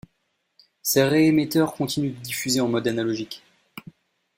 Ses ré-émetteurs continuent de diffuser en mode analogique.